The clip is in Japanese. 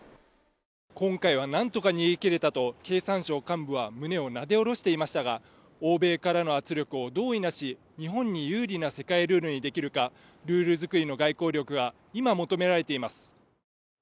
今回はなんとか逃げ切れたと経産省幹部は胸をなでおろしていましたが、欧米からの圧力をどういなし、日本に有利な世界ルールにできるか、ルール作りの外交力が今、求められています。